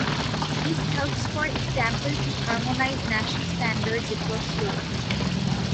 This helps for example to harmonize national standards across Europe.